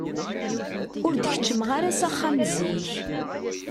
Ur d-keččmeɣ ara s axxam zik.